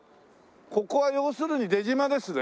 ここは要するに出島ですね？